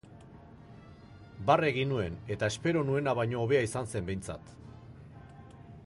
Barre egin nuen eta espero nuena baina hobea izan zen, behintzat.